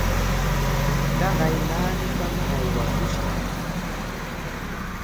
Taqay naanipami aywakushqa.